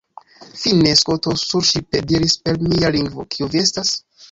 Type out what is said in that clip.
Fine, Skoto surŝipe diris per mia lingvo, Kiu vi estas?